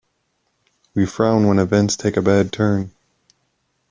We frown when events take a bad turn.